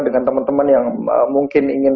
dengan teman teman yang mungkin ingin